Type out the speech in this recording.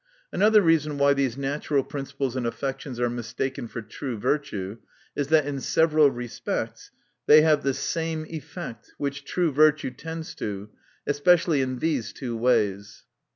Another reason why these natural principles and affections are mistaken for true virtue, is, that in several respects they have the same effect which true vir tue tends to ; especially in these two ways : 1.